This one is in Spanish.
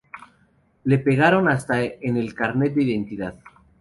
Le pegaron hasta en el carnet de identidad